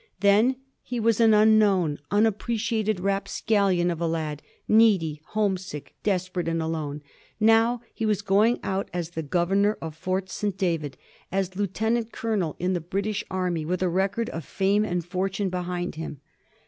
Then he was an unknown, unappre ciated rapscallion of a lad, needy, homesick, desperate, and alone; now he was going out as the Governor of Fort St. David, as lieutenant colonel in the British army, with a record of fame and fortune behind him.